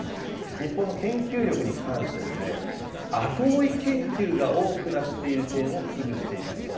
日本の研究力に関してですね、後追い研究が多くなっている点を危惧していますと。